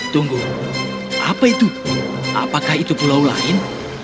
tunggu apa itu apakah itu pulau lain